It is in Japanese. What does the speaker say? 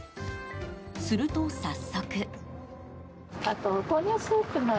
すると、早速。